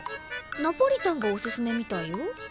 ナポリタンがお勧めみたいよ。